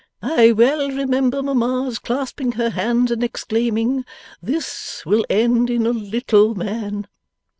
I well remember mamma's clasping her hands, and exclaiming "This will end in a little man!"